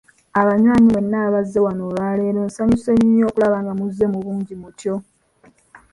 Abanywanyi mwenna abazze wano olwa leero, nsanyuse nnyo okulaba nga muzze mu bungi mutyo.